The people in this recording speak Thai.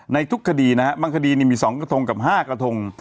ในทุกคดีนะฮะบางคดีมี๒กระทงกับ๕กระทง